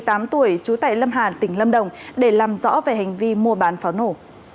trú tại lâm hàn tỉnh lâm đồng để làm rõ về hành vi mua bán pháo nổ